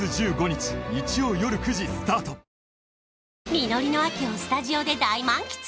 実りの秋をスタジオで大満喫！